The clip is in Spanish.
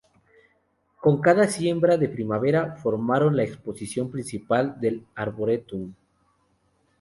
Con cada siembra de primavera formaron la exposición principal del arboretum.